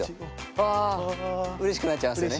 あうれしくなっちゃいますよね。